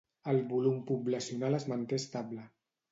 El volum poblacional es manté estable.